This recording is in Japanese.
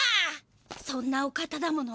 そんなお方だもの。